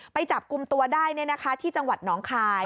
ไปจับคุมตัวได้เนี่ยนะคะที่จังหวัดน้องคลาย